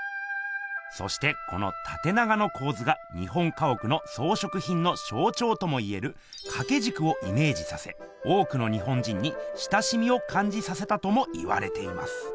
そしてこの縦長の構図が日本家おくのそうひょくひんのしょうちょうともいえる掛け軸をイメージさせ多くの日本人に親しみをかんじさせたとも言われています。